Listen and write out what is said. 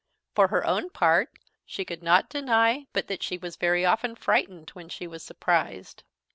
For her own part, she could not deny but that she was very often frightened when she was surprised.